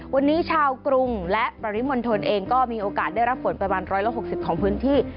วันนี้ชาวกรุงและปริมณฑลเองก็มีโอกาสได้รับฝนประมาณ๑๖๐ของพื้นที่